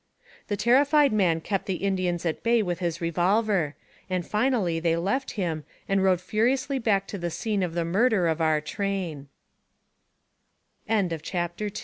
The terrified man kept the Indians at bay with his revolver, and finally they left him and rode furiously back to the scene of the murder of